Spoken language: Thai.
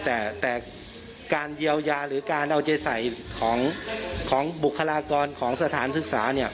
แต่การเยียวยาหรือการเอาใจใส่ของบุคลากรของสถานศึกษาเนี่ย